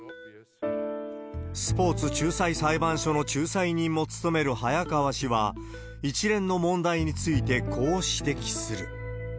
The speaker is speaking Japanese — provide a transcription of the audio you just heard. スポーツ仲裁裁判所の仲裁人も務める早川氏は、一連の問題についてこう指摘する。